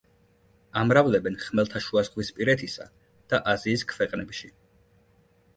ამრავლებენ ხმელთაშუაზღვისპირეთისა და აზიის ქვეყნებში.